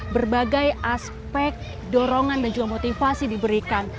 berbagai aspek dorongan dan juga motivasi diberikan